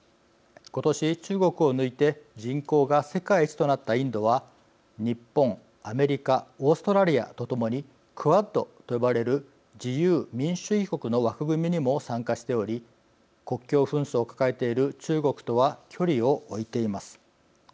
今年中国を抜いて人口が世界一となったインドは日本アメリカオーストラリアとともにＱＵＡＤと呼ばれる自由民主主義国の枠組みにも参加しており国境紛争を抱えている中国とは距離を置いています。